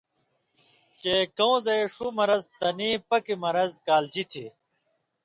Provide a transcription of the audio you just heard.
چے کؤں زئ ݜُو مرض تنی پکیۡ مرض کالُژیۡ تھی۔